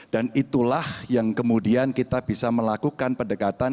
dan itulah yang kemudian kita bisa melakukan pendekatan